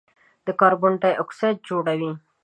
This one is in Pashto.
د کاربن ډای اکسایډ جوړوي.